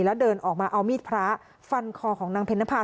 แล้วเดินออกมาเอามีดพระฟันคอของนางเพ็ญนภา